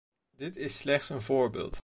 Dit is slechts een voorbeeld.